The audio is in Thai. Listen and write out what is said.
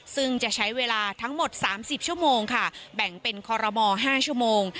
ซึ่งจะใช้เวลาทั้งหมด๓๐ชั่วโมงค่ะแบ่งเป็นคอรมอล๕ชั่วโมง